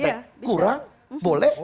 sarjana perikanan yang kurang kapal boleh